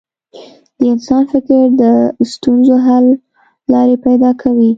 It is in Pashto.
د انسان فکر د ستونزو حل لارې پیدا کوي.